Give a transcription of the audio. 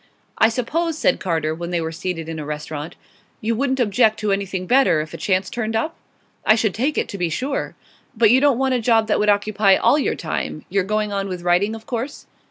'I suppose,' said Carter, when they were seated in a restaurant, 'you wouldn't object to anything better, if a chance turned up?' 'I should take it, to be sure.' 'But you don't want a job that would occupy all your time? You're going on with writing, of course?